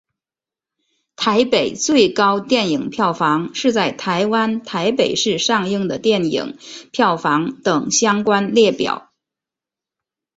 台北最高电影票房是在台湾台北市上映的电影票房等相关列表。